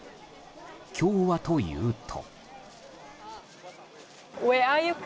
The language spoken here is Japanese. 今日はというと。